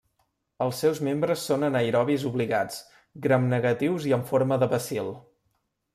Els seus membres són anaerobis obligats, gramnegatius i amb forma de bacil.